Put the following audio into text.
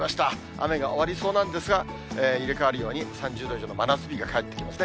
雨が終わりそうなんですが、入れ替わるように、３０度以上の真夏日が帰ってきますね。